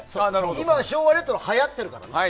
今、昭和レトロはやってるからね。